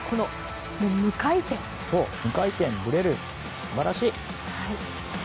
無回転、ぶれる、素晴らしい。